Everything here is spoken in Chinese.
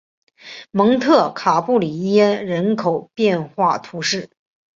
蒙特卡布里耶人口变化图示